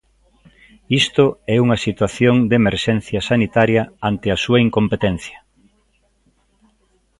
Isto é unha situación de emerxencia sanitaria ante a súa incompetencia.